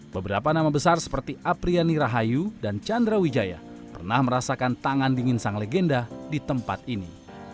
beberapa nama besar seperti apriani rahayu dan chandra wijaya pernah merasakan tangan dingin sang legenda di tempat ini